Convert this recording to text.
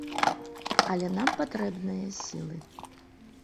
Але нам патрэбныя сілы.